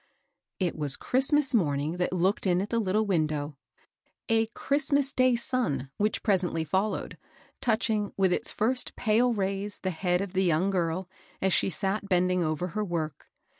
It was Christmas morning that looked in at the little window, —a Christmas day sua ^\asi3L ^^««8* 298 MABEL BOSS. entlj followed, touching with its first pale ray the head of the young girl, as she sat bending over her work.